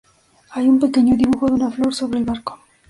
Hay un pequeño dibujo de una flor sobre el barco.